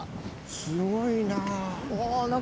すごいな。